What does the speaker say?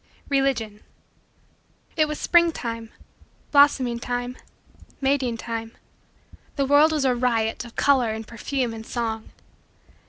RELIGION It was springtime blossoming time mating time. The world was a riot of color and perfume and song.